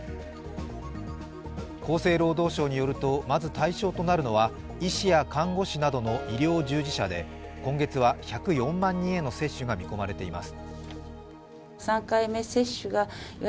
厚生労働省によるとまず対象となるのは医師や看護師などの医療従事者で今月は１０４万人への接種が見込まれています。